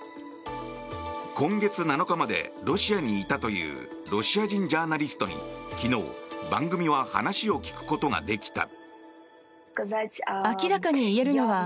今月７日までロシアにいたというロシア人ジャーナリストに昨日、番組は話を聞くことができた。